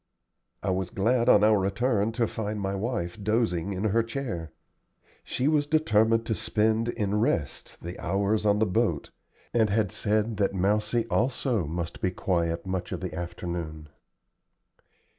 I was glad on our return to find my wife dozing in her chair. She was determined to spend in rest the hours on the boat, and had said that Mousie also must be quiet much of the afternoon.